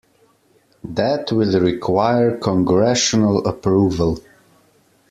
That will require congressional approval.